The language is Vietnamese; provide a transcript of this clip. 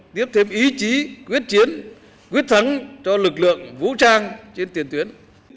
tiếp thêm ý chí quyết chiến quyết thắng cho lực lượng vũ trang trên tiền tuyến